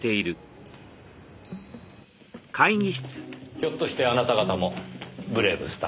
ひょっとしてあなた方もブレイブスタッフを？